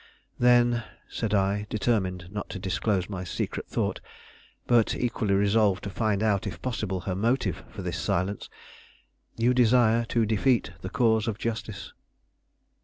"Then," said I, determined not to disclose my secret thought, but equally resolved to find out if possible her motive for this silence, "you desire to defeat the cause of justice."